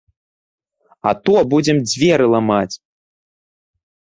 А то будзем дзверы ламаць!